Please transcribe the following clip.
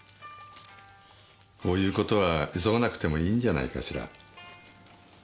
こういう事は急がなくてもいいんじゃないかしら。